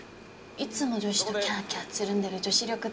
いつも女子とキャーキャーつるんでる女子力